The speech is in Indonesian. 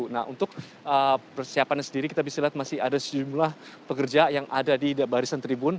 nah untuk persiapannya sendiri kita bisa lihat masih ada sejumlah pekerja yang ada di barisan tribun